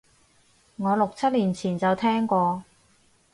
我六七年前就聽過